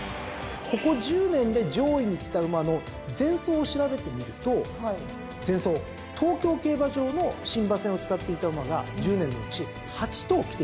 ここ１０年で上位にきた馬の前走を調べてみると前走東京競馬場の新馬戦を使っていた馬が１０年のうち８頭きています。